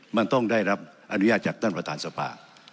มันต้องได้รับอนุญาตจากท่านประธานสภา